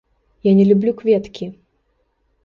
Я не люблю кветкі!